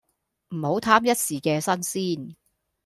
唔好貪一時既新鮮